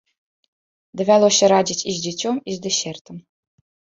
Давялося радзіць і з дзіцём, і з дэсертам.